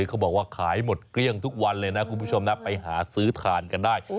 เขาบอกว่าขายหมดเกลี้ยงทุกวันเลยนะคุณผู้ชมนะไปหาซื้อทานกันได้